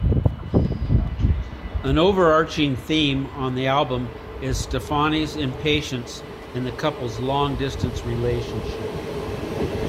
An overarching theme on the album is Stefani's impatience in the couple's long-distance relationship.